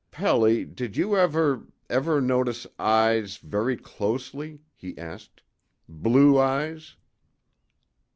"Pelly, did you ever ever notice eyes very closely?" he asked. "Blue eyes?"